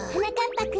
ぱくん。